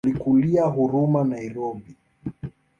Alikulia Huruma Nairobi.